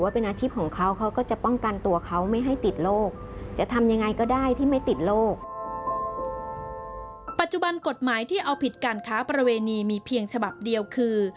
ปัจจุบันกฎหมายที่เอาผิดการค้าประเวณีมีเพียงฉบับเดียวคือ